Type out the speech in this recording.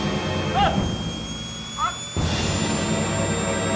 あっ！